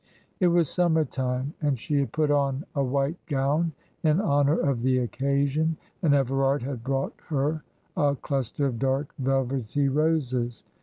It was summer time, and she had put on a white gown in honour of the occasion, and Everard had brought her a cluster of dark, velvety roses.